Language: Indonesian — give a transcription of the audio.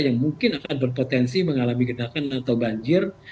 yang mungkin akan berpotensi mengalami genakan atau banjir